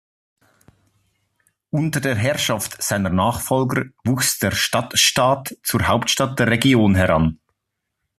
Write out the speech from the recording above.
Unter der Herrschaft seiner Nachfolger wuchs der Stadtstaat zur Hauptstadt der Region heran.